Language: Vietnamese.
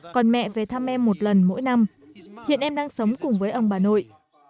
còn mẹ về thăm em một lần mỗi năm hiện em đang sống cùng với ông bà nội